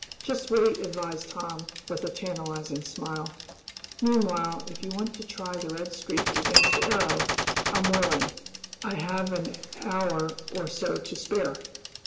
"Just wait," advised Tom, with a tantalizing smile. "Meanwhile, if you want to try the Red Streak against the Arrow, I'm willing. I have an hour or so to spare."